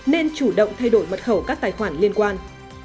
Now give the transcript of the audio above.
nên chủ động thay đổi mật khẩu các tài khoản liên quan